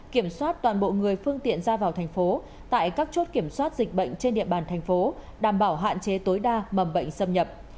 kiểm soát toàn bộ người phương tiện ra vào thành phố tại các chốt kiểm soát dịch bệnh trên địa bàn thành phố đảm bảo hạn chế tối đa mầm bệnh xâm nhập